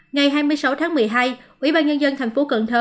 ngày hai mươi sáu tháng một mươi hai ubnd thành phố cần thơ